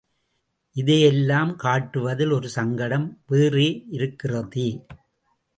இதையெல்லாம் காட்டுவதில் ஒரு சங்கடம் வேறே இருக்கிறதே.